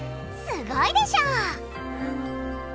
すごいでしょ！